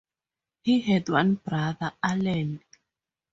He had one brother, Alan.